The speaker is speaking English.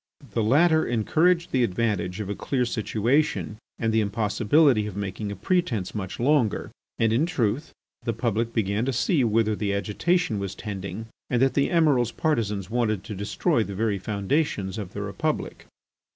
The latter urged the advantage of a clear situation and the impossibility of making a pretence much longer, and in truth, the public began to see whither the agitation was tending and that the Emiral's partisans wanted to destroy the very foundations of the Republic.